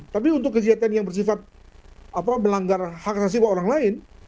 tapi untuk kegiatan yang bersifat melanggar hak asasi orang lain